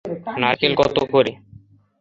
নারকেল কত করে?